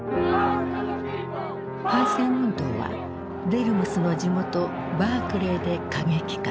反戦運動はデルムスの地元バークレーで過激化。